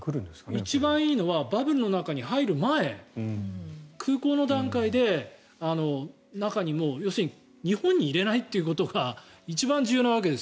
一番いいのはバブルの中に入る前空港の段階で中に、もう要するに日本に入れないということが一番重要なわけです。